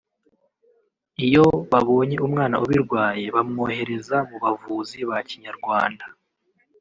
Iyo babonye umwana ubirwaye bamwohereza mu bavuzi ba Kinyarwanda